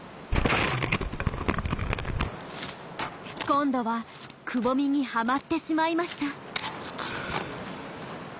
今度はくぼみにはまってしまいました。